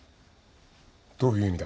どういう意味だ？